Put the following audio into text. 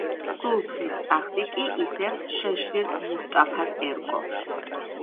სულთნის ტახტი კი ისევ შეშლილ მუსტაფას ერგო.